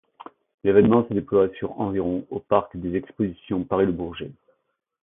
L'événement se déploie sur environ au parc des expositions Paris Le Bourget.